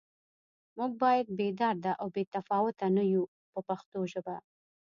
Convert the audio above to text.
موږ باید بې درده او بې تفاوته نه یو په پښتو ژبه.